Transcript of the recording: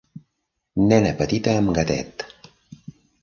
Nena petita amb gatet.